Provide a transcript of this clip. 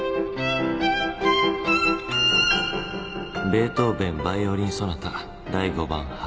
『ベートーヴェンバイオリン・ソナタ第５番春』